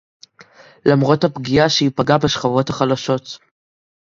למרות הפגיעה שהיא פגעה בשכבות החלשות